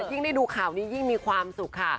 ยิ่งได้ดูข่าวนี้ยิ่งมีความสุขค่ะ